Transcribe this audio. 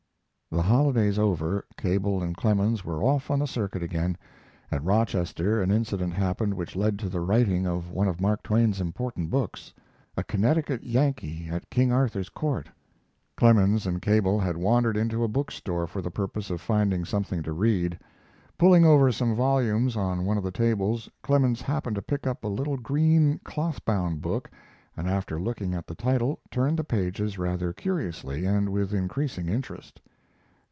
The holidays over, Cable and Clemens were off on the circuit again. At Rochester an incident happened which led to the writing of one of Mark Twain's important books, 'A Connecticut Yankee at King Arthur's Court'. Clemens and Cable had wandered into a book store for the purpose of finding something to read. Pulling over some volumes on one of the tables, Clemens happened to pick up a little green, cloth bound book, and after looking at the title turned the pages rather curiously and with increasing interest.